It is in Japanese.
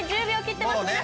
１０秒切ってます